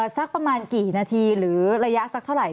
สักประมาณกี่นาทีหรือระยะสักเท่าไหร่